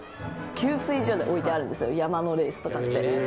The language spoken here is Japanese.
給水所で置いてあるんですよ、山のレースって。